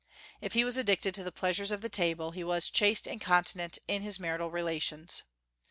If he was addicted to the pleasures of the table, he was chaste and continent in his marital relations.